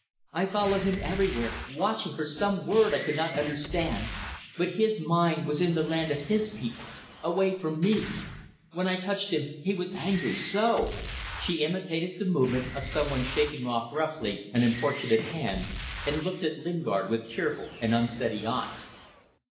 I followed him everywhere, watching for some word I could understand; but his mind was in the land of his people away from me. When I touched him he was angry so!" She imitated the movement of some one shaking off roughly an importunate hand, and looked at Lingard with tearful and unsteady eyes.